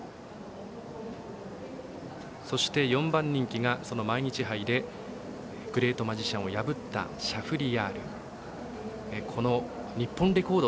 そして、４番人気がその毎日杯でグレートマジシャンを破ったシャフリヤール。